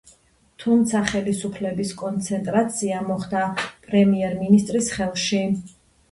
თუმცა ხელისუფლების კონცენტრაცია მოხდა პრემიერ-მინისტრის ხელში.